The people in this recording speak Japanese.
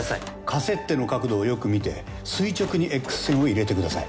カセッテの角度をよく見て垂直にＸ線を入れてください。